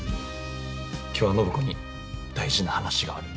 今日は暢子に大事な話がある。